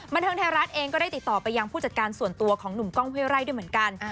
บันเทิงไทยรัฐเองก็ได้ติดต่อไปยังผู้จัดการส่วนตัวของหนุ่มกล้องห้วยไร่ด้วยเหมือนกัน